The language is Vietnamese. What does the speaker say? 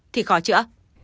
thì khó chữa